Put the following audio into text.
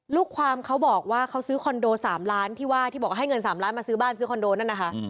ลูกความเขาบอกว่าเขาซื้อคอนโด๓ล้านที่ว่าที่บอกให้เงิน๓ล้านมาซื้อบ้านซื้อคอนโดนั่นนะคะ